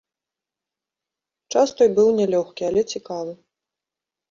Час той быў нялёгкі, але цікавы.